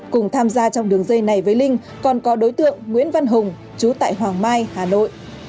cùng tham gia trong đường dây này với linh còn có đối tượng nguyễn văn hùng chú tại hoàng mai hà nội